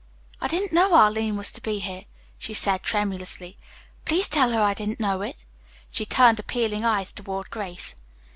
"I didn't know Arline was to be here," she said tremulously. "Please tell her I didn't know it." She turned appealing eyes toward Grace.